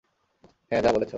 হ্যাঁ, যা বলেছ!